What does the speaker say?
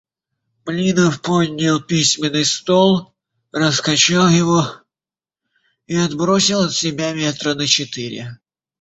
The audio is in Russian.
Блинов поднял письменный стол, раскачал его и отбросил от себя метра на четыре.